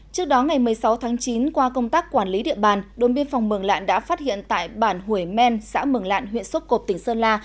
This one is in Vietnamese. trước đó ngày một mươi sáu tháng chín qua công tác quản lý địa bàn đồn biên phòng mường lạn đã phát hiện tại bản hủy men xã mường lạn huyện sốp cộp tỉnh sơn la